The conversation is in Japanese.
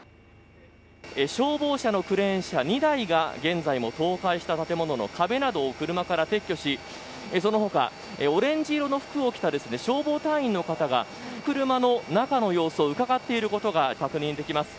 消防車のクレーン車２台が現在も倒壊した建物の壁などを車から撤去しその他、オレンジ色の服を着た消防隊員の方が車の中の様子をうかがっていることが確認できます。